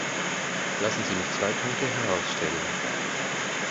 Lassen Sie mich zwei Punkte herausstellen.